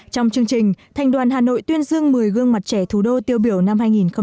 trong chương trình thành đoàn hà nội tuyên dương một mươi gương mặt trẻ thủ đô tiêu biểu năm hai nghìn một mươi chín